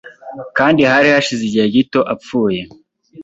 kandi hari hashize igihe gito apfuye